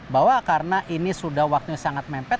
bahwa karena ini sudah waktunya sangat mepet